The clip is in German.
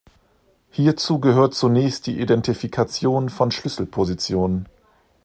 Hierzu gehört zunächst die Identifikation von Schlüsselpositionen.